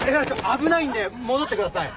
危ないんで戻ってください。